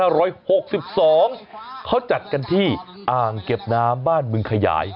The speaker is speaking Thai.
ห้าร้อยหกสิบสองเขาจัดกันที่อ่างเก็บน้ำบ้านเมืองขยาย